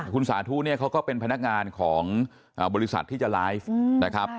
คุณสาธุเนี่ยเขาก็เป็นพนักงานของบริษัทที่จะไลฟ์นะครับ